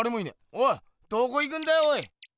おいどこ行くんだよおい。